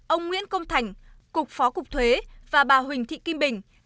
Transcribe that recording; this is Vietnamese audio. ông nguyễn công thành cục phó cục thuế và bà huỳnh thị kim bình